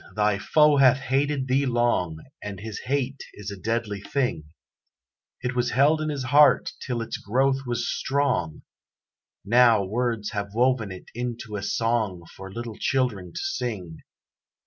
Thy foe hath hated thee long, And his hate is a deadly thing; It was held in his heart till its growth was strong, Now, words have woven it into a song For little children to sing.